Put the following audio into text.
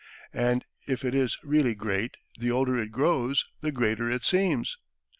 And if it is really great, the older it grows, the greater it seems.